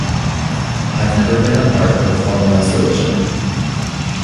I've never been a part of a formalized religion